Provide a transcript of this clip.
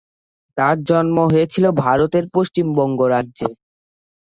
তাঁর জন্ম হয়েছিল ভারত-এর পশ্চিমবঙ্গ রাজ্যে।